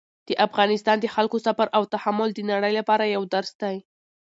د افغانستان د خلکو صبر او تحمل د نړۍ لپاره یو درس دی.